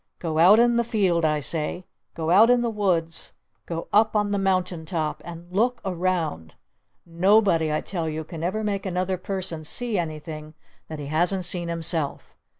Go out in the field I say! Go out in the woods! Go up on the mountain top! And look around! Nobody I tell you can ever make another person see anything that he hasn't seen himself!